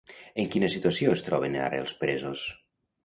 En quina situació es troben ara els presos?